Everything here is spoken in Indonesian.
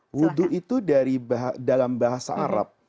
wudhu itu dalam bahasa arab